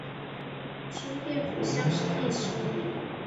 顺天府乡试第十五名。